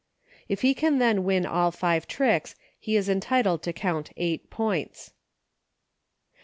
If he can then win all five tricks he is entitled to count eight points.